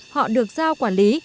họ được giao quản lý